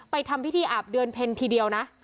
ทำพิธีอาบเดือนเพ็ญทีเดียวนะ